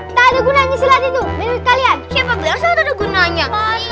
enggak ada gunanya silat itu menurut kalian siapa bilang saat ada gunanya